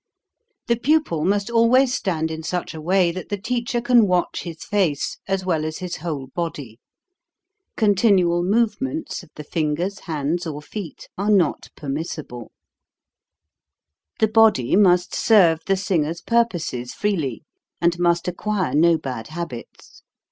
The pupil must always stand in such a way that the teacher can watch his face, as well as his whole body. Continual move ments of the fingers, hands, or feet are not permissible. 263 264 HOW TO SING The body must serve the singer's purposes freely and must acquire no bad habits.